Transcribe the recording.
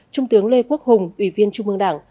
trung tướng lê quốc hùng ủy viên trung mương đảng